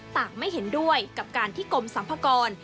ต่างไม่เห็นด้วยกับการที่กลมสรรพากร